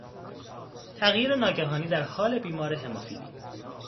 تغییر ناگهانی در حال بیمار هموفیلی